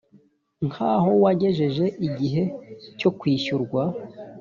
nk aho wagejeje igihe cyo kwishyurwa